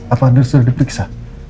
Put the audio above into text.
atau anda sudah diperiksa